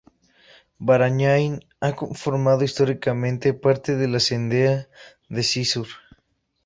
Barañáin ha formado históricamente parte de la Cendea de Cizur.